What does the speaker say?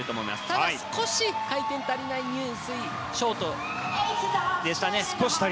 ただ、少し回転が足りない入水ショートでしたね。